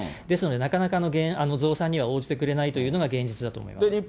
ですので、なかなか増産には応じてくれないというのが、現実だと思います。